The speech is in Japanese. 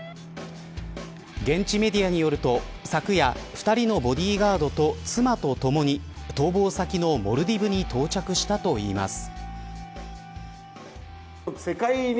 現地メディアによると昨夜、２人のボディーガードと妻とともに逃亡先のモルディブに到着したといいます。